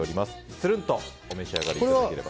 つるんとお召し上がりいただければ。